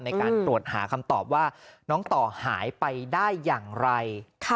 ในการตรวจหาคำตอบว่าน้องต่อหายไปได้อย่างไร